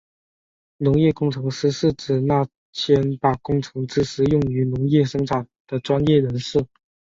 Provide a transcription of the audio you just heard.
农业工程师是指那些把工程知识用于农业生产的专业人士。